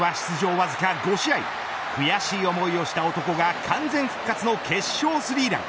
わずか５試合悔しい思いをした男が完全復活の決勝スリーラン。